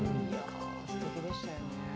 すてきでしたよね。